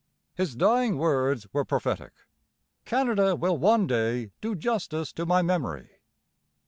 His dying words were prophetic: 'Canada will one day do justice to my memory.'